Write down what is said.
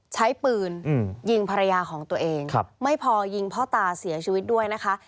ใช้ปืนยิงภรรยาของตัวเองไม่พอยิงพ่อตาเสียชีวิตด้วยนะคะ